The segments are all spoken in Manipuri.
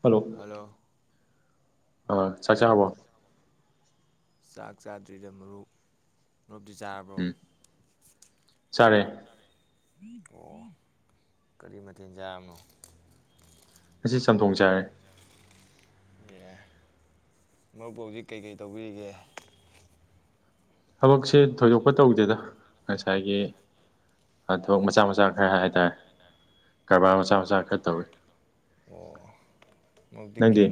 ꯍꯜꯂꯣ ꯍꯂꯣ ꯑ ꯆꯆꯥꯕ ꯆꯥꯛ ꯆꯥꯗ꯭ꯔꯤꯗ ꯃꯔꯨ ꯂꯣꯞꯇꯤ ꯆꯥꯔꯕ꯭ꯔꯣ ꯎꯝ ꯆꯥꯔꯦ ꯑꯣ ꯀꯔꯤ ꯃꯇꯊꯦꯜ ꯆꯥꯕꯅꯣ ꯑꯁꯤ ꯆꯝꯊꯣꯡ ꯆꯥꯔꯦ ꯃꯔꯨꯞꯄ ꯍꯧꯖꯤꯛ ꯀꯩꯀꯩ ꯇꯧꯕꯤꯔꯤꯒꯦ ꯊꯕꯛꯁꯦ ꯊꯣꯏꯗꯣꯛꯄ ꯇꯧꯗꯦꯗ ꯉꯁꯥꯏꯒꯤ ꯑ ꯣꯛ ꯃꯆꯥ ꯃꯆꯥ ꯈꯔ ꯍꯥꯏꯇꯥꯔꯦ ꯀꯔꯕꯥꯔ ꯃꯆꯥ ꯃꯆꯥ ꯈꯔ ꯇꯧꯏꯤ ꯑꯣ ꯃꯔꯨꯞꯇꯤ ꯅꯪꯗꯤ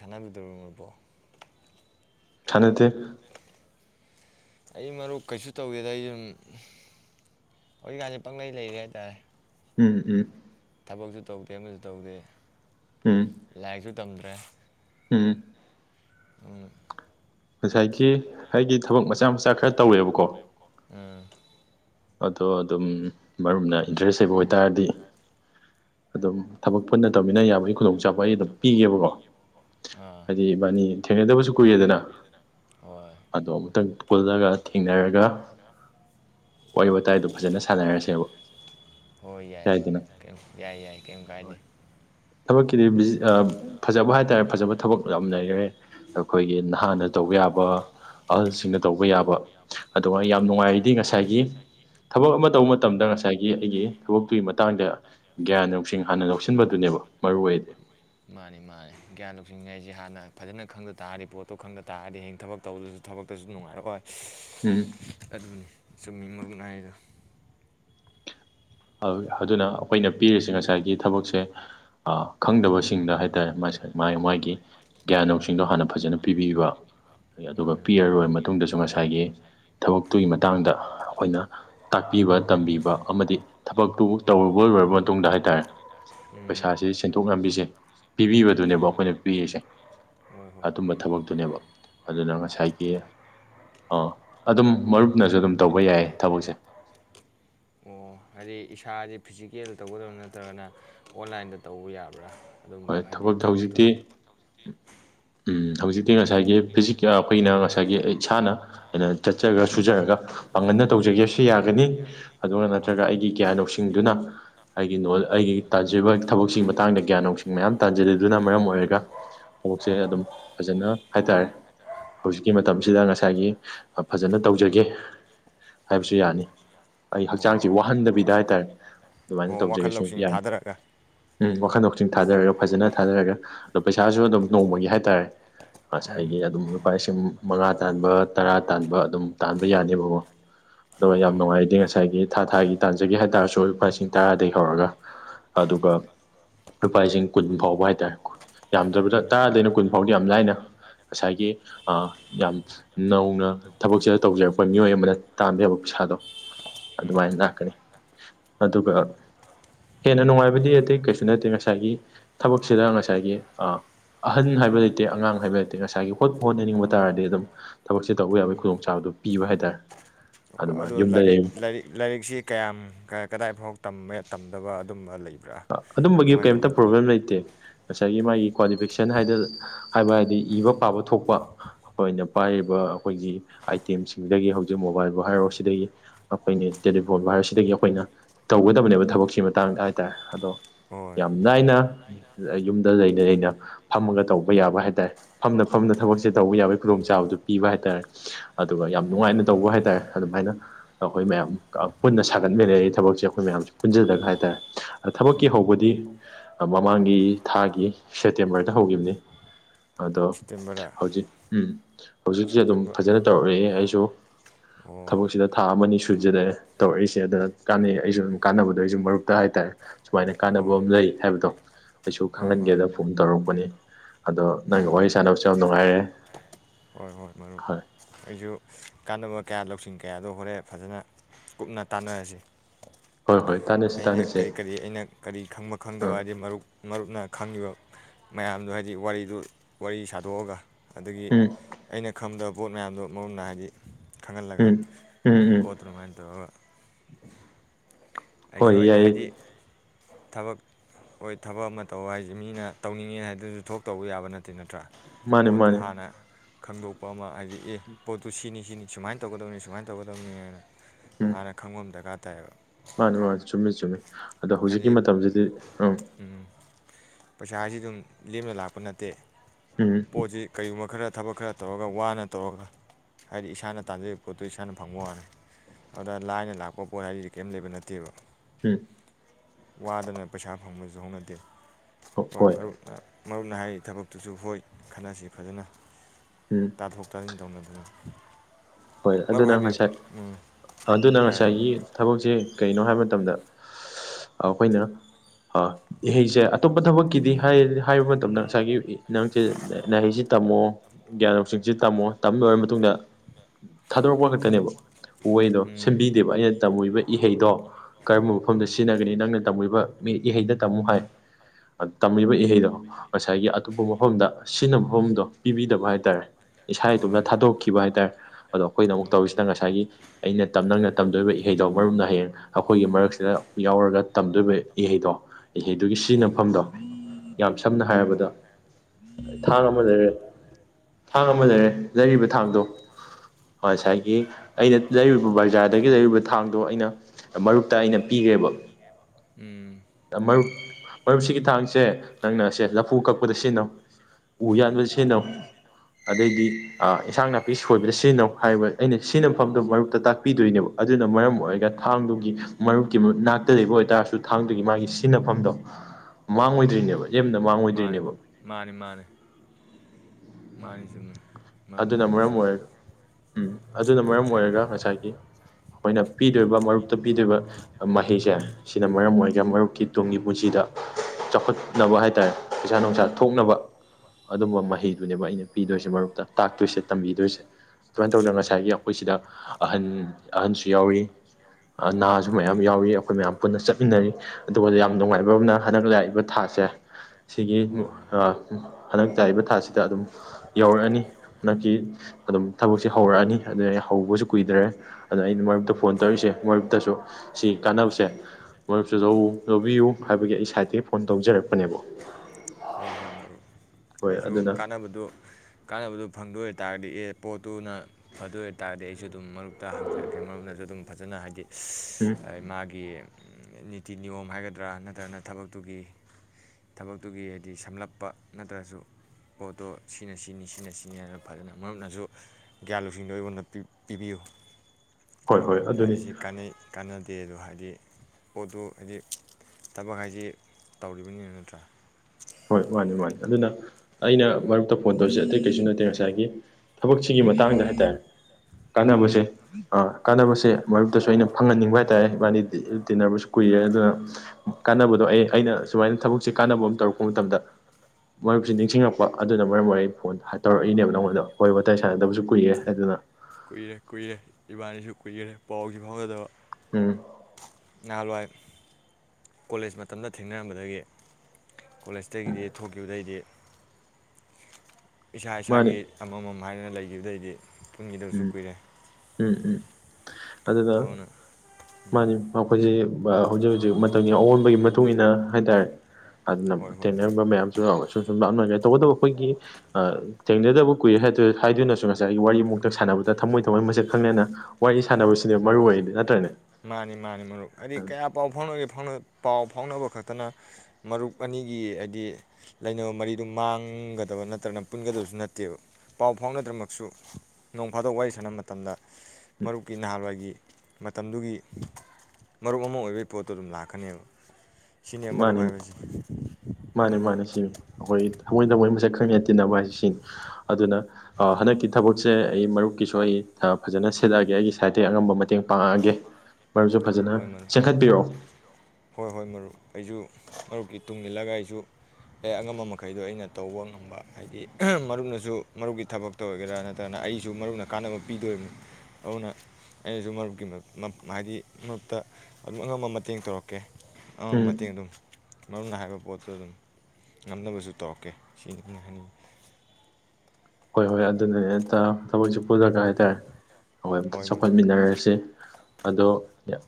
[unintelligible] ꯇꯧꯔꯝꯃꯥꯕꫭ ꯊꯅꯗꯦ ꯑꯩ ꯃꯔꯨꯞ ꯀꯩꯁꯨ ꯇꯧꯗꯦꯗ ꯑꯩ ꯑꯗꯨꯝ ꯍꯧꯖꯤꯛꯀꯥꯟꯁ ꯄꯪꯪꯂꯩ ꯂꯩꯔꯤ ꯍꯥꯏꯇꯥꯔꯦ ꯎꯝ ꯎꯝ ꯊꯕꯛꯁꯨ ꯇꯧꯗꯦ ꯑꯃꯁꯨ ꯇꯧꯗꯦ ꯎꯝ ꯂꯥꯛꯔꯤꯛꯁꯨ ꯇꯝꯗ꯭ꯔꯦ ꯎꯝ ꯎꯝ ꯉꯁꯥꯏꯒꯤ ꯍꯥꯏꯗꯤ ꯊꯕꯛ ꯃꯆꯥ ꯃꯆꯥ ꯈꯔ ꯇꯧꯋꯦꯕꯀꯣ ꯎꯝ ꯑꯗꯣ ꯑꯗꯨꯝ ꯃꯔꯨꯝꯅꯏ ꯏꯟꯇ꯭ꯔꯦꯁ ꯍꯩꯕ ꯑꯣꯏꯇꯥꯔꯗꯤ ꯑꯗꯨꯝ ꯊꯕꯛ ꯄꯨꯟꯅ ꯇꯧꯃꯤꯟꯅ ꯌꯥꯕꯒꯤ ꯈꯨꯗꯣꯡꯆꯥꯕ ꯑꯩ ꯑꯗꯨꯝ ꯄꯤꯒꯦꯕꯀꯣ ꯑꯥ ꯍꯥꯏꯗꯤ ꯏꯕꯥꯅꯤ ꯊꯦꯡꯅꯗꯕꯁꯨ ꯀꯨꯏꯌꯦꯗꯅ ꯍꯣꯏ ꯑꯗꯣ ꯑꯃꯨꯛꯇꯪ ꯄꯨꯜꯂꯒ ꯊꯦꯡꯅꯔꯒ ꯋꯥꯔꯤ ꯋꯥꯇꯥꯏꯗꫭ ꯐꯖꯅ ꯁꯥꯟꯅꯔꯁꯦꯕ ꯍꯣꯏ ꯌꯥꯏ ꯌꯥꯏꯗꯅ ꯃꯔꯨꯞ ꯀꯩꯝ ꯌꯥꯏ ꯌꯥꯏ ꯀꯩꯝ ꯀꯥꯏꯗꯦ ꯍꯣꯏ ꯊꯕꯛꯀꯤꯗꯤ ꯑ ꯐꯖꯕ ꯍꯥꯏꯇꯥꯔꯦ ꯐꯖꯕ ꯊꯕꯛ ꯌꯥꯝ ꯂꯩꯈ꯭ꯔꯦ ꯑꯩꯈꯣꯏꯒꯤ ꯅꯍꯥꯅ ꯇꯧꯕ ꯌꯥꯕ ꯑꯍꯜꯁꯤꯡꯅ ꯇꯧꯕ ꯌꯥꯕ ꯑꯗꯨꯃꯥꯏꯅ ꯌꯥꯝ ꯅꯨꯡꯉꯥꯏꯔꯤꯗꯤ ꯉꯁꯥꯏꯒꯤ ꯊꯕꯛ ꯑꯃ ꯇꯧꯕ ꯃꯇꯝꯗ ꯉꯁꯥꯏꯒꯤ ꯑꯩꯒꯤ ꯊꯕꯛꯇꯨꯒꯤ ꯃꯇꯥꯡꯗ ꯒ꯭ꯌꯥꯟ ꯂꯧꯁꯤꯡ ꯍꯥꯟꯅ ꯂꯧꯁꯤꯟꯕꯗꯨꯅꯦꯕ ꯃꯔꯨ ꯑꯣꯏꯗꯤ ꯂꯧꯁꯤꯡꯒꯩꯖꯦ ꯍꯥꯟꯅ ꯐꯖꯅ ꯈꯪꯗ ꯇꯥꯔꯗꯤ ꯄꯣꯠꯇꯣ ꯈꯪꯗ ꯇꯥꯔꯗꯤ ꯍꯥꯌꯦꯡ ꯊꯕꯛ ꯇꯧꯕꯗꯁꯨ ꯊꯕꯛꯇꯖꯨ ꯅꯨꯡꯉꯥꯏꯔꯛꯑꯣꯏ ꯎꯝ [unintelligible] ꯑꯗꯨꯅꯤ ꯆꯨꯝꯃꯤ ꯃꯔꯨꯝꯅ ꯍꯥꯏꯗꫭ ꯑꯗꯨꯅ ꯑꯩꯈꯣꯏꯅ ꯄꯤꯔꯤꯁꯦ ꯉꯁꯥꯏꯒꯤ ꯊꯕꯛꯁꯦ ꯑ ꯈꯪꯗꯕꯁꯤꯡꯗ ꯍꯥꯏ ꯇꯔꯦ ꯃꯥꯏ ꯃꯥꯏꯒꯤ ꯒꯤꯌꯟ ꯂꯧꯅꯧꯁꯤꯡꯗꯣ ꯍꯥꯟꯅ ꯐꯖꯅ ꯄꯤꯕꯤꯕ ꯑꯗꯨꯒ ꯃꯥꯅꯤ ꯃꯥꯅꯤ ꯄꯤꯔꯔꯣꯏ ꯃꯇꯨꯡꯗꯁꯨ ꯉꯁꯥꯏꯒꯤ ꯊꯕꯛꯇꯨꯒꯤ ꯃꯇꯥꯡꯗ ꯑꯈꯣꯏꯅ ꯇꯥꯛꯄꯤꯕ ꯇꯝꯕꯤꯕ ꯑꯃꯗꯤ ꯊꯕꯛꯇꯨ ꯇꯧꯔꯕ ꯂꯣꯏꯔꯕ ꯃꯇꯨꯡꯗ ꯍꯥꯏꯇꯥꯔꯦ ꯎꯝ ꯄꯩꯁꯥꯁꯤ ꯁꯦꯟꯊꯣꯛ ꯂꯝꯕꯤꯁꯦ ꯄꯤꯕꯤꯕꯗꯨꯅꯦꯕ ꯑꯈꯣꯏꯅ ꯄꯤꯔꯤꯁꯦ ꯍꯣꯏ ꯍꯣꯏ ꯑꯗꯨꯝꯕ ꯊꯕꯛꯇꯨꯅꯦꯕ ꯑꯗꯨꯅ ꯉꯁꯥꯏꯒꯤ ꯑꯥ ꯑꯗꯨꯝ ꯃꯔꯨꯞꯅꯖꯨ ꯑꯗꯨꯝ ꯇꯧꯕ ꯌꯥꯏ ꯊꯕꯛꯁꯦ ꯏꯁꯥꯗꯤ ꯐꯤꯖꯤꯀꯦꯜꯗ ꯇꯧꯒꯗ꯭ꯔ ꯅꯠꯇ꯭ꯔꯒꯅ ꯑꯣꯟꯂꯥꯏꯟꯗ ꯇꯧꯕ ꯌꯥꯕ꯭ꯔꯥ ꯑꯗꯨꯝꯕ ꯍꯣꯏ ꯍꯥꯏꯗꯤ ꯊꯕꯛꯇꯤ ꯊꯕꯛꯇꯨ ꯍꯧꯖꯤꯛꯇꯤ ꯎꯝ ꯍꯧꯖꯤꯛꯇꯤ ꯉꯁꯥꯏꯒꯤ ꯐꯤꯖꯤꯛꯀ ꯑꯈꯣꯏꯅ ꯉꯁꯥꯏꯒꯤ ꯏꯁꯥꯅ ꯑꯩꯅ ꯆꯠꯆꯔꯒ ꯁꯨꯖꯔꯒ ꯄꯥꯡꯒꯟꯅ ꯇꯧꯖꯒꯦꯁꯨ ꯌꯥꯒꯅꯤ ꯑꯗꯨ ꯎꯝ ꯅꯠꯇ꯭ꯔꯒ ꯑꯩꯒꯤ ꯒꯤꯌꯟ ꯂꯧꯁꯤꯡꯗꯨꯅ ꯑꯩꯒꯤ ꯅꫭ ꯑꯩꯒꯤ ꯇꯥꯖꯔꯤꯕ ꯊꯕꯛꯁꯤꯡꯒꯤ ꯃꯇꯥꯡꯗ ꯒ꯭ꯌꯟ ꯂꯧꯁꯤꯡ ꯃꯌꯥꯝ ꯇꯥꯟꯖꯜꯂꯤꯗꯨꯅ ꯃꯔꯝ ꯑꯣꯏꯔꯒ ꯄꯣꯛꯁꯦ ꯎꯝ ꯑꯗꯨꯝ ꯐꯖꯅ ꯍꯥꯏꯇꯥꯔꯦ ꯍꯧꯖꯤꯛꯀꯤ ꯃꯇꯝꯁꯤꯗ ꯉꯁꯥꯏꯒꯤ ꯐꯖꯅ ꯇꯧꯖꯒꯦ ꯍꯥꯏꯕꯁꯨ ꯌꯥꯅꯤ ꯑꯩ ꯑꯣ ꯍꯛꯆꯥꯡꯁꯤ ꯋꯥꯍꯟꯗꯕꯤꯗ ꯍꯥꯏꯇꯥꯔꯦ ꯑꯗꯨꯃꯥꯏꯅ ꯑꯣ ꯋꯥꯈꯜ ꯇꯧꯖꯒꯦꯁꯨ ꯂꯧꯁꯤꯡ ꯌꯥꯏ ꯊꯥꯗꯔꯒ ꯎꯝ [unintelligible] ꯋꯈꯜ ꯂꯧꯁꯤꯡ ꯊꯥꯗꯔꯒ ꯐꯖꯅ ꯊꯥꯗꯔꯒ ꯑ ꯄꯩꯁꯥꯁꯨ ꯑꯗꯨꯝ ꯅꯣꯡꯃꯒꯤ ꯍꯥꯏꯇꯥꯥꯔꯦ ꯎꯝ ꯉꯁꯥꯏꯒꯤ ꯑꯗꯨꯝ ꯂꯨꯄꯥ ꯂꯤꯁꯤꯡ ꯃꯉꯥ ꯇꯥꯟꯕ ꯇꯔꯥ ꯇꯥꯟꯕ ꯑꯗꯨꯝ ꯇꯥꯟꯕ ꯌꯥꯅꯦꯕꯀꯣ ꯑꯗꯨꯒ ꯑꯣ ꯌꯥꯝ ꯅꯨꯡꯉꯥꯏꯗꯤ ꯉꯁꯥꯏꯒꯤ ꯊꯥ ꯊꯥꯒꯤ ꯇꯥꯟꯖꯒꯦ ꯍꯥꯏ ꯇꯥꯔꯁꯨ ꯂꯨꯄꯥ ꯂꯤꯁꯤꯡ ꯇꯔꯥꯗꯩ ꯍꯧꯔꯒ ꯑꯗꯨꯒ ꯂꯨꯄꯥ ꯂꯤꯁꯤꯡ ꯀꯨꯟ ꯐꯥꯎꯕ ꯍꯥꯏꯇꯥꯔꯦ ꯎꯝ ꯌꯥꯝꯗ꯭ꯔꯕꯗ ꯎꯝ ꯇꯔꯥꯗꯩꯅ ꯀꯨꯟ ꯐꯥꯎꯗꯤ ꯌꯥꯝ ꯂꯥꯏꯅ ꯉꯁꯥꯏꯒꯤ ꯑ ꯌꯥꯝ ꯅꯧꯅ ꯊꯕꯛꯁꯦ ꯇꯧꯖꯔꯛꯄ ꯃꯤꯑꯣꯏ ꯑꯃꯅ ꯇꯥꯟꯕ ꯌꯥꯕ ꯄꯩꯁꯥꯗꯣ ꯑꯗꯨꯃꯥꯏꯅ ꯂꯥꯛꯀꯅꯤ ꯑꯗꯨꯒ ꯍꯦꯟꯅ ꯅꯨꯡꯉꯥꯏꯕꯗꯤ ꯑꯇꯩ ꯀꯩꯁꯨ ꯅꯠꯇꯦ ꯉꯁꯥꯏ ꯉꯁꯥꯏꯒꯤ ꯊꯕꯛꯁꯤꯗ ꯉꯁꯥꯏꯒꯤ ꯑꯍꯟ ꯍꯥꯏꯕ ꯂꯩꯇꯦ ꯑꯉꯥꯡ ꯍꯥꯏꯕ ꯂꯩꯇꯦ ꯉꯁꯥꯏꯒꯤ ꯍꯣꯠꯄꯨ ꯍꯣꯠꯅꯅꯤꯡꯕ ꯑꯣ ꯇꯥꯔꯗꯤ ꯑꯗꯨꯝ ꯊꯕꯛꯁꯦ ꯇꯧꯕ ꯌꯥꯕꯒꯤ ꯈꯨꯗꯣꯡꯆꯥꯕꯗꯨ ꯄꯤꯕ ꯍꯥꯏ ꯇꯔꯦ ꯑꯗꯨ ꯂꯥꯏꯔꯤꯛ ꯂꯥꯏꯔꯤꯛ ꯂꯥꯏꯔꯤꯛꯁꯤ ꯀꯌꯥꯝ ꯀꯗꯥꯏ ꯐꯥꯎ ꯃꯦ ꯇꯝꯗꯕ ꯑꯗꯨꯝꯕ ꯂꯩꯕ ꯑꯗꯨꯝꯕꯒꯤ ꯀꯩꯝꯇ ꯄ꯭ꯔꯣꯕ꯭ꯂꯦꯝ ꯂꯩꯇꯦ ꯉꯁꯥꯏꯒꯤ ꯃꯥꯒꯤ ꯀ꯭ꯋꯥꯂꯤꯐꯤꯀꯦꯁꯟ ꯍꯥꯏꯗꯅ ꯍꯥꯏꯕ ꯍꯥꯏꯔꯗꯤ ꯏꯕ ꯄꯥꯕ ꯊꯣꯛꯄ ꯑꯩꯈꯣꯏꯅ ꯄꯥꯏꯔꯤꯕ ꯑꯩꯈꯣꯏꯒꯤ ꯑꯥꯏꯇꯦꯝꯁꯤꯡꯗꯒꯤ ꯍꯧꯖꯤꯛ ꯃꯣꯕꯥꯏꯜꯕꯨ ꯍꯥꯏꯔꯣ ꯁꯤꯗꯒꯤ ꯑꯩꯈꯣꯏꯅ ꯇꯦꯂꯤꯐꯣꯟꯕꯨ ꯍꯥꯏꯔꯣ ꯁꯤꯗꯒꯤ ꯑꯩꯈꯣꯏꯅ ꯇꯧꯒꯗꯕꯅꯦꯕ ꯊꯕꯛꯁꯤꯒꯤ ꯃꯇꯥꯡꯗ ꯍꯥꯏꯇꯥꯔꯦ ꯑꯗꯣ ꯍꯣꯏ ꯌꯥꯝ ꯂꯅꯥꯥꯏꯅ ꯌꯨꯝꯗ ꯂꯩꯅ ꯂꯩꯅ ꯐꯝꯃꯒ ꯇꯧꯕ ꯌꯥꯕ ꯍꯥꯏ ꯇꯥꯔꯦ ꯐꯝꯅ ꯐꯝꯅ ꯊꯕꯛꯁꯦ ꯇꯧꯕ ꯌꯥꯕꯒꯤ ꯈꯨꯗꯣꯡꯆꯥꯕꯗꯨ ꯄꯤꯕ ꯍꯥꯏ ꯇꯥꯔꯦ ꯑꯗꯨꯒ ꯌꯥꯝ ꯅꯨꯡꯉꯥꯏꯅ ꯇꯧꯕ ꯍꯥꯏ ꯇꯥꯔꯦ ꯑꯗꯨꯃꯥꯏꯅ ꯑꯩꯈꯣꯏ ꯃꯌꯥꯝ ꯄꯨꯟꯅ ꯁꯥꯒꯠꯃꯤꯟꯅꯔꯤ ꯊꯕꯛꯁꯦ ꯑꯩꯈꯣꯏ ꯃꯌꯥꯝꯁꯦ ꯄꯨꯟꯖꯗꯕ ꯍꯥꯏ ꯇꯥꯔꯦ ꯊꯕꯛꯀꯤ ꯍꯧꯕꯗꯤ ꯃꯃꯥꯡꯒꯤ ꯊꯥꯒꯤ ꯁꯦꯞꯇꯦꯝꯕꯔꯗ ꯍꯧꯈꯤꯕꯅꯤ ꯑꯗꯣ ꯁꯦꯞꯇꯦꯝꯕꯔꯗ ꯍꯧꯖꯤꯛ ꯎꯝ ꯍꯧꯖꯤꯛꯁꯦ ꯑꯗꯨꯝ ꯁꯦꯞꯇꯦꯝꯕꯔ ꯐꯖꯅ ꯇꯧꯔꯛꯑꯦ ꯑꯩ ꯁꯨ ꯑꯣ ꯊꯕꯛꯁꯤꯗ ꯊꯥ ꯑꯃꯅꯤ ꯑꯅꯤ ꯁꯨꯖꯔꯛꯑꯦ ꯇꯧꯔꯛꯏꯁꯦ ꯑꯗꯨꯅ ꯀꯥꯟꯅꯩ ꯑꯩꯁꯨ ꯑꯗꯨꯝ ꯀꯥꯟꯅꯕꯗꯣ ꯑꯩꯁꯨ ꯃꯔꯨꯞꯛꯇ ꯍꯥꯏꯇꯥꯔꯦ ꯁꯨꯃꯥꯏꯅ ꯀꯥꯟꯅꯕ ꯍꯣꯏ ꯑꯃ ꯂꯩ ꯍꯥꯏꯕꯗꯣ ꯑꯩꯁꯨ ꯍꯣꯏ ꯍꯣꯏ ꯈꯪꯍꯟꯒꯦꯗ ꯐꯣꯟ ꯇꯧꯔꯛꯄꯅꯤ ꯑꯗꯣ ꯅꯪꯒꯤ ꯋꯥꯔꯤꯍꯩ ꯁꯥꯟꯅꯕꯁꯨ ꯌꯥꯝ ꯅꯨꯡꯉꯥꯏꯔꯦ ꯍꯣꯏ ꯃꯔꯨꯞ ꯍꯣꯏ ꯑꯩꯁꯨ ꯀꯥꯟꯅꯕ ꯀꯌꯥ ꯂꯧꯁꯤꯡ ꯀꯌꯥꯗꯣ ꯍꯣꯔꯦꯟ ꯐꯖꯅ ꯀꯨꯞꯅ ꯇꯥꯟꯅꯔꯁꯤ ꯍꯣꯏ ꯍꯣꯏ ꯇꯥꯟꯅꯁꯤ ꯑꯩꯅ ꯇꯥꯟꯅꯁꯤ ꯀꯔꯤ ꯀꯔꯤ ꯑꯩꯅ ꯀꯔꯤ ꯈꯪꯕ ꯈꯪꯗꯕ ꯎꯝ ꯍꯥꯏꯗꯤ ꯃꯔꯨꯞ ꯃꯔꯨꯞꯅ ꯈꯪꯉꯤꯕ ꯃꯌꯥꯝꯗꯣ ꯍꯥꯏꯗꯤ ꯋꯥꯔꯤꯗꯨ ꯋꯥꯔꯤ ꯁꯥꯗꯣꯛꯑꯒ ꯑꯗꯒꯤ ꯎꯝ ꯑꯩꯅ ꯈꯪꯗꯕ ꯄꯣꯠ ꯃꯌꯥꯝꯗꯣ ꯃꯅ ꯍꯥꯏꯗꯤ ꯈꯪꯍꯜꯂꯒ ꯎꯝ ꯎꯝ ꯎꯝ ꯄꯣꯠꯇꯔꯃꯥꯏꯅ ꯇꯧꯔꯒ ꯍꯣꯏ ꯑꯩꯁꯨ ꯑꯩꯅ ꯌꯥꯏꯌꯦ ꯍꯥꯏꯗꯤ ꯊꯕꯛ ꯑꯣꯏ ꯊꯕꯛ ꯑꯃ ꯇꯧꯕ ꯍꯥꯏꯁꯦ ꯃꯤꯅ ꯇꯧꯅꯤꯡꯉꯦ ꯍꯥꯏꯗꯨꯁꯨ ꯊꯣꯛ ꯇꯧꯕ ꯌꯥꯕ ꯅꯠꯇꯦ ꯅꯠꯇ꯭ꯔꯥ ꯃꯥꯅꯦ ꯃꯥꯅꯦ ꯄꯣꯗꯨꯨꯍꯥꯟꯅ ꯈꯪꯗꯣꯛꯄ ꯑꯃ ꯍꯥꯏꯗꯤ ꯑꯦ ꯄꯣꯠꯇꯨ ꯁꯤꯅꯤ ꯁꯤꯅꯤ ꯁꯨꯃꯥꯏꯅ ꯇꯧꯒꯗꯕꯅꯤ ꯁꯨꯃꯥꯏꯅ ꯇꯧꯒꯗꯕꯅꯤ ꯍꯥꯏꯅ ꯎꯝ ꯍꯥꯟꯅ ꯈꯪꯕꯝ ꯖꯀ ꯇ ꯃꯥꯅꯦ ꯃꯥꯅꯦ ꯆꯨꯝꯃꯦ ꯆꯨꯝꯃꯦ ꯑꯗꯣ ꯍꯧꯖꯤꯛꯀꯤ ꯍꯥꯏꯗꯤ ꯃꯇꯝꯖꯤꯗꯤ ꯑꯪ ꯄꯩꯁꯥ ꯍꯥꯏꯖꯤ ꯑꯗꯨꯝ ꯂꯦꯝꯅ ꯂꯥꯛꯄ ꯅꯠꯇꯦ ꯎꯝ ꯄꯣꯖꯤ ꯀꯩꯃꯛ ꯈꯔ ꯊꯕꯛ ꯈꯔ ꯇꯧꯔꯒ ꯋꯥꯅ ꯇꯧꯔꯒ ꯍꯥꯏꯗꯤ ꯏꯁꯥꯅ ꯇꯥꯟꯖꯔꯤꯕ ꯄꯣꯠꯇꯨ ꯏꯁꯥꯅ ꯐꯪꯕ ꯋꯥꯅꯤ ꯑꯗꯨꯗ ꯂꯥꯏꯅ ꯂꯥꯛꯄ ꯄꯣꯠ ꯍꯥꯏꯔꯤꯗꯤ ꯀꯩꯝ ꯂꯩꯕ ꯅꯠꯇꯦꯕ ꯎꯝ ꯋꯥꯗꯅ ꯄꯩꯁꯥ ꯐꯪꯕꯖꯨ ꯍꯧꯅꯗꯦ ꯍꯣꯏ ꯃꯔꯨꯞꯅ ꯃꯔꯨꯞꯅ ꯍꯥꯏꯔꯤ ꯊꯕꯛꯇꯨꯁꯨ ꯍꯣꯏ ꯈꯟꯅꯁꯤ ꯐꯖꯅ ꯎꯝ ꯇꯥꯊꯣꯛ ꯇꯥꯁꯤꯟ ꯇꯧꯅꯗꯨꯅ ꯍꯣꯏ ꯑꯗꯨꯅ ꯉꯁꯥꯏ ꯑꯗꯨꯅ ꯍꯥꯏꯌꯨ ꯍꯥꯏꯕꯤꯌꯨ ꯉꯁꯥꯏꯒꯤ ꯊꯕꯛꯁꯦ ꯀꯩꯅꯣ ꯍꯥꯏꯕ ꯃꯇꯝꯗ ꯑꯩꯈꯣꯏꯅ ꯏꯍꯩꯁꯦ ꯑꯇꯣꯞꯄ ꯊꯕꯛꯀꯤꯗꯤ ꯍꯥꯏ ꯍꯥꯏꯕ ꯃꯇꯝꯗ ꯉꯁꯥꯏꯒꯤ ꯅꯪꯁꯦ ꯅꯍꯩꯁꯦ ꯇꯝꯃꯣ ꯒ꯭ꯌꯥꯟ ꯂꯧꯁꯤꯡꯁꯤ ꯇꯝꯃꯣ ꯇꯝ ꯂꯣꯏꯔ ꯃꯇꯨꯡꯗ ꯊꯥꯗꯣꯔꯛꯄ ꯈꯛꯇꯅꯦꯕ ꯎꯍꯩꯗꯣ ꯎꯝ ꯁꯦꯝꯕꯤꯗꯦꯕ ꯑꯩꯅ ꯇꯝꯃꯨꯕ ꯏꯍꯩꯗꯣ ꯀꯔꯝꯕ ꯃꯐꯝꯗ ꯎꯝ ꯁꯤꯖꯤꯟꯅꯒꯅꯤ ꯅꯪꯅ ꯇꯝꯃꯨꯔꯤꯕ ꯃꯤ ꯏꯍꯩꯗ ꯇꯝꯃꯨ ꯍꯥꯏ ꯇꯝꯃꯤꯕ ꯏꯍꯩꯗꯣ ꯉꯁꯥꯏꯒꯤ ꯑꯇꯣꯞꯄ ꯃꯐꯝꯗ ꯁꯤꯖꯤꯟꯅꯕ ꯃꯐꯝꯗꯣ ꯄꯤꯕꯤꯗꯕ ꯍꯥꯏ ꯇꯥꯔꯦ ꯏꯁꯥ ꯏꯇꯣꯝꯇ ꯍꯣꯏ ꯊꯥꯗꯣꯛꯈꯤꯕ ꯍꯥꯏ ꯇꯥꯔꯦ ꯑꯗꯣ ꯑꯩꯈꯣꯏꯅ ꯑꯃꯨꯛ ꯍꯣꯏ ꯇꯧꯔꯤꯁꯤꯅ ꯉꯁꯥꯏꯒꯤ ꯑꯩꯅ ꯇꯝ ꯅꯪꯅ ꯇꯝꯗꯣꯏꯕ ꯏꯍꯩꯗꯣ ꯃꯔꯨꯝꯅ ꯍꯌꯦꯡ ꯑꯩꯈꯣꯏꯒꯤ ꯃꯔꯛꯁꯤꯗ ꯌꯥꯎꯔꯒ ꯇꯝꯗꯣꯏꯕ ꯏꯍꯩꯗꯣ ꯏꯍꯩꯗꯨꯒꯤ ꯍꯣꯏ ꯁꯤꯖꯤꯟꯅꯐꯝꯗꯣ ꯌꯥꯝ ꯁꯝꯅ ꯍꯣꯏ ꯍꯥꯏꯔꯕꯗ ꯊꯥꯡ ꯑꯃ ꯂꯩꯔꯦ ꯊꯥꯡ ꯑꯃ ꯂꯩꯔꯦ ꯂꯩꯔꯤꯕ ꯊꯥꯡꯗꯣ ꯉꯁꯥꯏꯒꯤ ꯑꯩꯅ ꯂꯩꯔꯨꯕ ꯕꯖꯥꯔꯗꯒꯤ ꯂꯩꯔꯨꯕ ꯊꯥꯡꯗꯣ ꯑꯩꯅ ꯃꯔꯨꯞꯛꯇ ꯑꯩꯅ ꯄꯤꯒꯔꯦꯕ ꯎꯝ ꯃꯔꯨꯞ ꯃꯔꯨꯞꯁꯤꯒꯤ ꯊꯥꯡꯁꯦ ꯅꯪꯅꯁꯦ ꯂꯐꯨ ꯀꯛꯄꯗ ꯁꯤꯖꯤꯟꯅꯧ ꯎ ꯌꯥꯟꯕꯗ ꯁꯤꯖꯤꯟꯅꯧ ꯑꯗꯩꯗꯤ ꯏꯟꯁꯥꯡ ꯅꯥꯄꯤ ꯁꯣꯏꯕꯗ ꯁꯤꯖꯤꯟꯅꯧ ꯍꯥꯏꯔꯤꯕ ꯑꯩꯅ ꯁꯤꯖꯤꯟꯅꯐꯝꯗꯣ ꯃꯔꯨꯞꯇ ꯇꯥꯛꯄꯤꯗꯣꯏꯅꯦꯕ ꯑꯗꯨꯅ ꯃꯔꯝ ꯑꯣꯏꯔꯒ ꯊꯥꯡꯗꯨꯒꯤ ꯃꯔꯨꯞꯀꯤ ꯃ ꯅꯥꯛꯇ ꯂꯩꯕ ꯑꯣꯏꯇꯥꯥꯔꯁꯨ ꯊꯥꯡ ꯗꯨꯒꯤ ꯃꯥꯒꯤ ꯁꯤꯟꯅꯐꯝꯗꯣ ꯍꯣꯏ ꯃꯥꯡꯉꯣꯏꯗ꯭ꯔꯤꯅꯦꯕ ꯂꯦꯝꯅ ꯃꯥꯅꯤ ꯃꯥꯡꯉꯣꯏꯗ꯭ꯔꯤꯅꯦꯕ ꯃꯥꯅꯤ ꯃꯥꯅꯤ ꯃꯥꯅꯤ ꯆꯨꯝꯃꯤ ꯃꯔꯨꯞꯅ ꯑꯗꯨꯅ ꯃꯔꯝ ꯍꯥꯏꯗꯨꯁꯨ ꯑꯣꯏꯔꯒ ꯎꯝ ꯑꯗꯨꯅ ꯎꯝ ꯃꯔꯝ ꯍꯥꯏꯕꯤꯌꯨ ꯑꯣꯏꯔꯒ ꯉꯁꯥꯏꯒꯤ ꯑꯩꯈꯣꯏꯅ ꯄꯤꯗꯣꯏꯔꯤꯕ ꯃꯔꯨꯞꯇ ꯄꯤꯗꯣꯏꯔꯤꯕ ꯃꯍꯩꯁꯦ ꯁꯤꯅ ꯃꯔꯝ ꯑꯣꯏꯔꯒ ꯃꯔꯨꯞꯀꯤ ꯇꯨꯡꯒꯤ ꯄꯨꯟꯁꯤꯗ ꯆꯥꯎꯈꯠꯅꯕ ꯍꯥꯏꯇꯥꯔꯦ ꯄꯩꯁꯥ ꯅꯨꯡꯁꯥ ꯊꯣꯛꯅꯕ ꯑꯗꯨꯝꯕ ꯃꯍꯩꯗꯨꯅꯦꯕ ꯑꯩꯅ ꯄꯤꯗꯣꯏꯁꯦ ꯃꯔꯨꯞꯇ ꯇꯥꯛꯇꯣꯏꯁꯦ ꯇꯝꯕꯤꯗꯣꯏꯁꯦ ꯑꯗꯨꯃꯥꯏꯅ ꯇꯧꯗꯅ ꯍꯣꯏ ꯍꯣꯏ ꯉꯁꯥꯏꯒꯤ ꯑꯩꯈꯣꯏ ꯁꯤꯗ ꯑꯍꯟ ꯑꯍꯟꯁꯨ ꯌꯥꯎꯔꯤ ꯑ ꯅꯍꯥꯁꯨ ꯃꯌꯥꯝ ꯌꯥꯎꯔꯤ ꯑꯩꯈꯣꯏ ꯃꯌꯥꯝ ꯄꯨꯟꯅ ꯆꯠꯃꯤꯟꯅꯔꯤ ꯑꯗꯨꯒ ꯌꯥꯝ ꯅꯨꯡꯉꯥꯏꯕ ꯑꯃꯅ ꯍꯟꯗꯛ ꯂꯥꯛꯏꯕ ꯊꯥꯁꯦ ꯁꯤꯒꯤ ꯍꯣꯏ ꯍꯣꯏ ꯑ ꯍꯟꯗꯛ ꯇꯥꯏꯕ ꯊꯥꯁꯤꯗ ꯑꯗꯨꯝ ꯌꯥꯎꯔꯛꯑꯅꯤ ꯍꯅꯛꯀꯤ ꯑꯗꯨꯝ ꯊꯕꯛꯁꯦ ꯍꯧꯔꯛꯑꯅꯤ ꯑꯗꯨꯅ ꯑꯩ ꯍꯧꯕꯁꯨ ꯀꯨꯏꯗ꯭ꯔꯦ ꯑꯗ ꯑꯩꯅ ꯃꯔꯨꯞꯇ ꯐꯣꯟ ꯇꯧꯔꯤꯁꯦ ꯃꯔꯨꯞꯇꯁꯨ ꯁꯤ ꯀꯥꯟꯅꯕꯁꯦ ꯃꯔꯨꯞꯁꯨ ꯂꯧ ꯂꯧꯕꯤꯌꯨ ꯍꯥꯏꯕꯒꯤ ꯑꯩ ꯁꯥꯏꯠꯇꯒꯤ ꯐꯣꯟ ꯇꯧꯖꯔꯛꯄꯅꯦꯕ ꯍꯣꯏ ꯍꯣꯏ ꯃꯔꯨꯞ ꯍꯣꯏ ꯑꯩꯁꯨ ꯑꯗꯨꯅ ꯀꯥꯟꯅꯕꯗꯨ ꯀꯥꯟꯅꯕꯗꯨ ꯐꯪꯗꯣꯏ ꯑꯣꯏ ꯇꯥꯔꯗꯤ ꯑꯦ ꯄꯣꯠꯇꯨꯅ ꯐꯗꯣꯏ ꯑꯣꯏ ꯇꯥꯔꯗꯤ ꯑꯩꯁꯨ ꯗꯨ ꯑꯗꯨꯝ ꯃꯔꯨꯞꯛꯇ ꯍꯪꯖꯔꯛꯀꯦ ꯃꯔꯨꯝꯅ ꯗꯨ ꯗꯨꯝ ꯐꯖꯅ ꯍꯥꯏꯗꯤ ꯎꯝ ꯑꯩ ꯃꯥꯒꯤ ꯅꯤꯇꯤ ꯅꯤꯌꯣꯝ ꯍꯥꯏꯒꯗ꯭ꯔꯥ ꯅꯠꯇ꯭ꯔꯅ ꯊꯕꯛꯇꯨꯒꯤ ꯊꯕꯛꯇꯨꯒꯤ ꯗꯤ ꯁꯝꯂꯞꯄ ꯅꯠꯇ꯭ꯔꯁꯨ ꯄꯣꯠꯇꯣ ꯁꯤꯅ ꯁꯤꯅꯤ ꯁꯤꯅ ꯁꯤꯅꯤ ꯍꯥꯏꯅ ꯐꯖꯅ ꯃꯔꯨꯞꯅꯖꯨ ꯒ꯭ꯌꯥꯟ ꯂꯧꯁꯤꯡꯗꯣ ꯑꯩꯉꯣꯟꯗ ꯄꯤꯕꯤꯌꯨ ꯍꯣꯏ ꯍꯣꯏ ꯑꯗꯨꯅꯤ ꯍꯥꯏꯔꯤꯁꯤ ꯀꯥꯟꯅꯩ ꯀꯥꯟꯅꯗꯦ ꯗꯣ ꯍꯥꯏꯗꯤ ꯍꯥꯏꯗꯤ ꯄꯣꯠꯇꯨ ꯍꯥꯏꯗꯤ ꯊꯕꯛ ꯍꯥꯏꯁꯤ ꯇꯧꯔꯤꯕꯅꯤꯅ ꯅꯠꯇ꯭ꯔꯥ ꯍꯣꯏ ꯃꯥꯅꯤ ꯃꯥꯅꯤ ꯑꯗꯨꯅ ꯑꯩꯅ ꯃꯔꯨꯞꯇ ꯐꯣꯟ ꯇꯧꯔꯤꯁꯤ ꯑꯇꯩ ꯀꯩꯁꯨ ꯅꯠꯇꯦ ꯉꯁꯥꯏꯒꯤ ꯊꯕꯛꯁꯤꯒꯤ ꯃꯇꯥꯡꯗ ꯍꯥꯏꯇꯥꯔꯦ ꯀꯥꯟꯅ ꯍꯣꯏ ꯕꯁꯦ ꯃꯔꯨꯞ ꯑ ꯀꯥꯟꯅꯕꯁꯦ ꯃꯔꯨꯞꯇꯁꯨ ꯑꯩꯅ ꯐꯪꯍꯟꯅꯤꯡꯕ ꯍꯥꯏꯇꯥꯔꯦ ꯏꯕꯥꯅꯤ ꯇꯤꯟꯅꯕꯁꯨ ꯀꯨꯏꯔꯦ ꯑꯗꯨꯅ ꯀꯥꯟꯅꯕꯗꯣ ꯑꯩ ꯑꯩꯅ ꯁꯨꯃꯥꯏꯅ ꯊꯕꯛꯁꯦ ꯀꯥꯟꯅꯕ ꯑꯃ ꯇꯧꯔꯛꯄ ꯃꯇꯝꯗ ꯃꯔꯨꯞꯁꯤ ꯅꯤꯡꯁꯤꯡꯉꯛꯄ ꯑꯗꯨꯅ ꯃꯔꯝ ꯑꯣꯏꯔ ꯑꯩ ꯐꯣꯟ ꯇꯧꯔꯛꯏꯅꯦꯕ ꯅꯪꯉꯣꯟꯗ ꯋꯥꯔꯤ ꯋꯥꯇꯥꯏ ꯁꯥꯟꯅꯗꯕꯁꯨ ꯀꯨꯏꯔꯦ ꯑꯗꯨꯅ ꯀꯨꯏꯔꯦ ꯀꯨꯏꯔꯦ ꯏꯕꯥꯅꯤꯁꯨ ꯀꯨꯏꯈ꯭ꯔꯦ ꯄꯥꯎꯁꯤ ꯐꯥꯎꯒꯗꯕ ꯎꯝ ꯅꯍꯥꯟꯋꯥꯏ ꯀꯣꯂꯦꯖ ꯃꯇꯝꯗ ꯊꯦꯡꯅꯔꯝꯕꯗꯒꯤ ꯀꯣꯂꯦꯖꯇꯒꯤꯗꯤ ꯊꯣꯛꯈꯤꯕꯗꯩꯗꯤ ꯏꯁꯥ ꯃꯥꯅꯤ ꯏꯁꯥꯒꯤ ꯑꯃꯃꯝ ꯍꯥꯏꯗꯅ ꯂꯩ ꯕꯗꯩꯗꯤ ꯄꯨꯟꯈꯤꯗꯕꯁꯨ ꯎꯝ ꯀꯨꯏꯔꯦ ꯎꯝ ꯎꯝ ꯑꯗꯨꯅ ꯎꯝ ꯃꯥꯅꯤ ꯑꯩꯈꯣꯏꯖꯤꯛ ꯍꯧꯖꯤꯛ ꯍꯧꯖꯤꯛ ꯃꯇꯝꯒꯤ ꯑꯑꯣꯟꯕꯒꯤ ꯃꯇꯨꯡ ꯏ ꯃꯇꯨꯡꯏꯟꯅ ꯍꯥꯏꯇꯥꯔꯦ ꯑꯗꯨꯅ ꯍꯣꯏ ꯍꯣꯏ ꯃꯔꯨꯞ ꯊꯦꯡꯅꯔꯝꯕ ꯃꯌꯥꯝꯁꯨ ꯌꯥꯎꯋꯁꯦ ꯁꯨꯝ ꯁꯨꯝ ꯂꯥꯞꯅꯔꯦ ꯇꯧꯕꯇꯕꯨ ꯑꯩꯈꯣꯏꯒꯤ ꯊꯦꯡꯅꯗꯕ ꯀꯨꯏꯔꯦ ꯍꯥꯏ ꯍꯥꯏꯗꯨꯅꯁꯨ ꯉꯁꯥꯏꯒꯤ ꯋꯥꯔꯤꯃꯨ ꯍꯟꯇꯛ ꯁꯥꯟꯅꯕꯗ ꯊꯝꯃꯣꯏ ꯊꯃꯣꯏ ꯃꯁꯦꯠ ꯈꯪꯅꯅ ꯋꯥꯔꯤ ꯁꯥꯟꯅꯕꯁꯤꯗꯤ ꯃꯔꯨꯑꯣ ꯑꯣꯏꯔꯤꯗꯤ ꯅꯠꯇ꯭ꯔꯅꯦ ꯃꯥꯅꯤ ꯃꯥꯅꯤ ꯃꯔꯨꯞ ꯍꯥꯏꯗꯤ ꯀꯌꯥ ꯄꯥꯎ ꯐꯥꯎꯅꯒꯦ ꯐꯥꯎꯅ ꯄꯥꯎ ꯐꯥꯎꯅꯕ ꯈꯛꯇꯅ ꯃꯔꯨꯞ ꯑꯅꯤꯒꯤ ꯍꯥꯏꯗꯤ ꯂꯩꯅꯕ ꯃꯔꯤꯗꯨ ꯃꯥꯡꯒꯗꯕ ꯅꯠꯇ꯭ꯔꯅ ꯄꯨꯟꯒꯗꯕꯁꯨ ꯅꯠꯇꯦꯕ ꯄꯥꯎ ꯐꯥꯎꯅꯗ꯭ꯔꯃꯛꯁꯨ ꯅꯣꯡ ꯐꯥꯗꯣꯛ ꯋꯥꯔꯤ ꯁꯥꯟꯅꯕ ꯃꯇꯝꯗ ꯃꯔꯨꯞꯀꯤ ꯅꯍꯥꯟꯋꯥꯏꯒꯤ ꯃꯇꯝꯗꯨꯒꯤ ꯃꯔꯨꯞ ꯑꯃ ꯑꯣꯏꯕꯒꯤ ꯄꯣꯠꯇꯣ ꯑꯗꯨꯝ ꯂꯥꯛꯀꯅꯦꯕ ꯁꯤꯅꯦ ꯃꯔꯨꯞ ꯃꯥꯅꯤ ꯍꯥꯏꯕꯁꯦ ꯃꯥꯅꯤ ꯃꯥꯅꯤ ꯁꯤꯅꯤ ꯑꯩꯈꯣꯏꯒꯤ ꯊꯃꯣꯏ ꯊꯃꯣꯏꯅ ꯃꯁꯛ ꯈꯪꯉꯦ ꯇꯤꯟꯅꯕ ꯍꯥꯏ ꯁꯤꯅꯤ ꯑꯗꯨꯅ ꯍꯟꯗꯛꯀꯤ ꯊꯕꯛꯁꯦ ꯑꯩ ꯃꯔꯨꯞꯀꯤꯁꯨ ꯑꯩ ꯐꯖꯅ ꯁꯦꯠꯂꯛꯑꯒꯦ ꯑꯩꯒꯤ ꯁꯥꯏꯠꯇꯒꯤ ꯑꯉꯝꯕ ꯃꯇꯦꯡ ꯄꯥꯡꯉꯛꯑꯒꯦ ꯃꯔꯨꯞꯁꯨ ꯐꯖꯅ ꯍꯣꯏ ꯃꯔꯨꯞ ꯆꯦꯟꯈꯠꯄꯤꯔꯛꯑꯣ ꯍꯣꯏ ꯍꯣꯏ ꯃꯔꯨꯞ ꯑꯩꯁꯨ ꯃꯔꯨꯞꯀꯤ ꯇꯨꯡ ꯏꯜꯂꯒ ꯑꯩꯁꯨ ꯑꯦ ꯑꯉꯝꯕ ꯃꯈꯩꯗꯣ ꯑꯩꯅ ꯇꯧꯕ ꯉꯝꯕ ꯍꯥꯏꯗꯤ ꯃꯔꯨꯞꯅꯁꯨ ꯃꯔꯨꯞꯀꯤ ꯊꯕꯛꯇ ꯑꯣꯏꯒꯦꯔꯥ ꯅꯠꯇ꯭ꯔꯒꯅ ꯑꯩꯁꯨ ꯃꯔꯨꯞꯅ ꯀꯥꯟꯅꯕ ꯄꯤꯗꯣꯏꯕꯅꯤ ꯑꯗꯨꯅ ꯑꯩꯅꯁꯨ ꯃꯔꯨꯞꯀꯤ ꯍꯥꯏꯗꯤ ꯃꯔꯨꯞꯇ ꯑꯗꯨꯝ ꯑꯉꯝꯕ ꯃꯇꯦꯡ ꯇꯧꯔꯛꯀꯦ ꯑꯉꯝꯕ ꯎꯝ ꯃꯇꯦꯡ ꯑꯗꯨꯝ ꯃꯔꯨꯞꯅ ꯍꯥꯏꯕ ꯄꯣꯠꯇꯨ ꯑꯗꯨꯝ ꯉꯝꯅꯕꯁꯨ ꯇꯧꯔꯛꯀꯦ ꯁꯤꯅꯤ ꯍꯥꯏꯅꯤꯡꯉꯤ ꯍꯣꯏ ꯍꯣꯏ ꯑꯗꯨꯅ ꯊꯕꯛꯁꯨ ꯄꯨꯂꯒ ꯍꯥꯏꯇꯥꯔꯦ ꯑꯩꯈꯣꯏ ꯑꯝꯇ ꯍꯣꯏ ꯃꯔꯨꯞ ꯆꯥꯎꯈꯠꯃꯤꯟꯅꯔꯁꯤ ꯑꯗꯣ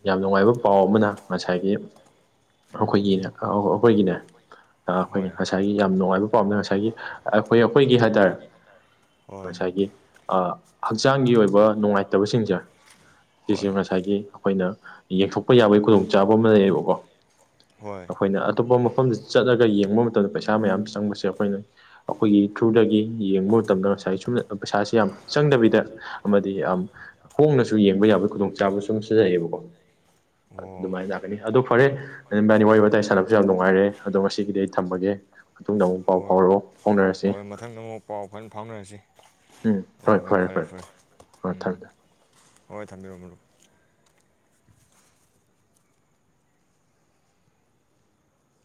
ꯌꯥꯝ ꯅꯨꯡꯉꯥꯏꯕ ꯄꯥꯎ ꯑꯃꯅ ꯉꯁꯥꯏꯒꯤ ꯑꯩꯈꯣꯏꯒꯤꯅꯦ ꯑꯩꯈꯣꯏꯒꯤꯅꯦ ꯑꯩꯈꯣꯏꯅ ꯍꯣꯏ ꯉꯁꯥꯏꯒꯤ ꯌꯥꯝ ꯅꯨꯡꯉꯥꯏꯕ ꯄꯣꯝꯅ ꯉꯁꯥꯏꯒꯤ ꯑꯩꯈꯣꯏ ꯑꯩꯈꯣꯏꯒꯤ ꯍꯥꯏꯇꯥꯔꯦ ꯍꯣꯏ ꯉꯁꯥꯏꯒꯤ ꯑ ꯍꯛꯆꯥꯡꯒꯤ ꯑꯣꯏꯕ ꯅꯨꯡꯉꯥꯏꯇꯕꯁꯤꯡꯁꯦ ꯍꯣꯏ ꯁꯤꯁꯨ ꯉꯁꯥꯏꯒꯤ ꯑꯩꯈꯣꯏꯅ ꯌꯦꯡꯊꯣꯛꯄ ꯌꯥꯕꯒꯤ ꯈꯨꯗꯣꯡꯆꯥꯥꯕ ꯑꯃ ꯂꯩꯌꯦꯕꯀꯣ ꯍꯣꯏ ꯑꯩꯈꯣꯏꯅ ꯑꯇꯣꯞꯄ ꯃꯐꯝ ꯆꯠꯂꯒ ꯌꯦꯡꯕ ꯃꯇꯝꯗ ꯄꯩꯁꯥ ꯃꯌꯥꯝ ꯆꯪꯕꯁꯦ ꯑꯩꯈꯣꯏꯅ ꯑꯩꯈꯣꯏꯒꯤ ꯊ꯭ꯔꯨꯗꯒꯤ ꯌꯦꯡꯕꯨ ꯃꯇꯝꯗ ꯉꯁꯥꯏ ꯁꯨꯝ ꯄꯩꯁꯥꯁꯤ ꯌꯥꯝ ꯆꯪꯗꯕꯤꯗ ꯑꯃꯗꯤ ꯌꯥꯝ ꯍꯣꯡꯅꯁꯨ ꯌꯦꯡꯕ ꯌꯥꯕꯒꯤ ꯈꯨꯗꯣꯡꯆꯥꯥꯕꯁꯨ ꯑꯗꯨꯨꯝ ꯁꯤꯖꯩꯑꯌꯦꯕꯀꯣ ꯑꯣ ꯑꯗꯨꯃꯥꯏꯅ ꯂꯥꯛꯀꯅꯤ ꯑꯗꯨꯣ ꯐꯔꯦ ꯑꯗꯨꯕꯥꯅꯤ ꯋꯥꯔꯤ ꯋꯥꯇꯥꯏ ꯁꯥꯟꯅꯕ ꯍꯧ ꯌꯥꯝ ꯅꯨꯡꯉꯥꯏꯔꯦ ꯑꯗꯣ ꯉꯁꯤꯒꯤꯗꯤ ꯑꯩ ꯊꯝꯃꯒꯦ ꯃꯇꯨꯡꯗ ꯑꯃꯨꯛ ꯄꯥꯎ ꯍꯣꯏ ꯐꯥꯎꯔꯛꯎ ꯐꯥꯎꯅꯔꯁꯤ ꯑꯩꯈꯣꯏꯅ ꯐꯥꯎꯅꯔꯁꯤ ꯎꯝ ꯍꯣꯏ ꯐꯔꯦ ꯐꯔꯦ ꯍꯣꯏ ꯎꯝ ꯊꯝꯖꯃꯦ ꯍꯣꯏ ꯊꯝꯕꯤꯔꯣꯝꯃꯣ